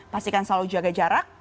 pastikan selalu jaga jarak